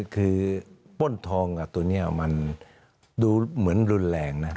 คือป้นทองตัวนี้มันดูเหมือนรุนแรงนะ